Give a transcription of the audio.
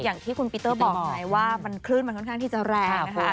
อย่างที่คุณปีเตอร์บอกไงว่ามันคลื่นมันค่อนข้างที่จะแรงนะคะ